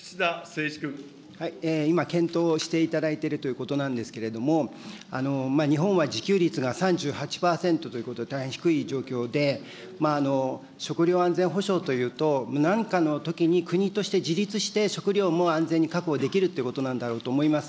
今、検討をしていただいているということなんですけれども、日本は自給率が３８％ということで、大変低い状況で、食料安全保障というと、なんかのときに国として自立して食料も安全に確保できるということなんだろうと思います。